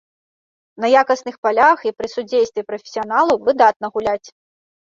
На якасных палях і пры судзействе прафесіяналаў выдатна гуляць!